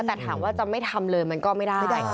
แต่ถามว่าจะไม่ทำเลยมันก็ไม่ได้